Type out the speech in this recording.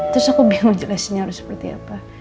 terus aku bingung jelasinnya harus seperti apa